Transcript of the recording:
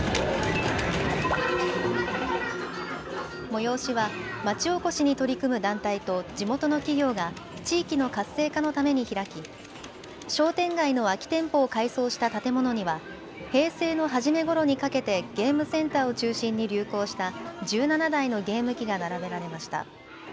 催しは町おこしに取り組む団体と地元の企業が地域の活性化のために開き、商店街の空き店舗を改装した建物には平成の初めごろにかけてゲームセンターを中心に流行した１７台のゲーム機が並べられました。